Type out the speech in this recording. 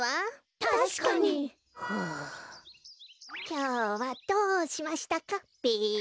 きょうはどうしましたかべ。